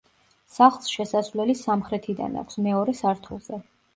სახლს შესასვლელი სამხრეთიდან აქვს, მეორე სართულზე.